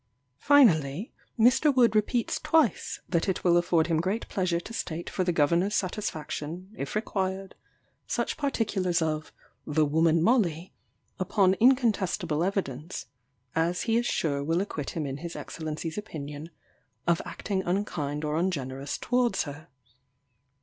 Finally, Mr. Wood repeats twice that it will afford him great pleasure to state for the governor's satisfaction, if required, such particulars of "the woman Molly," upon incontestable evidence, as he is sure will acquit him in his Excellency's opinion "of acting unkind or ungenerous towards her."